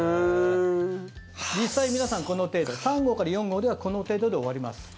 実際、皆さんこの程度３合から４合ではこの程度で終わります。